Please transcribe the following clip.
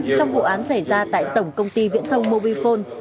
trong vụ án xảy ra tại tổng công ty viễn thông mobile phone